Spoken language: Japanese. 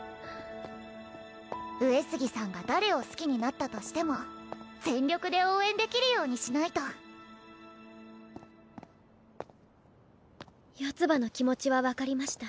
上杉さんが誰を好きになったとしても全力で応援できるようにしないと四葉の気持ちは分かりました